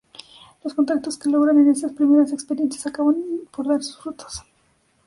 Los contactos que logra en estas primeras experiencias acaban por dar sus frutos.